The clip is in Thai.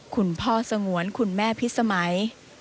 คุณพ่อสงวนคุณแม่พิสมัย